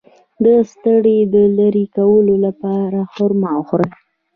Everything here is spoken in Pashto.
د ستړیا د لرې کولو لپاره خرما وخورئ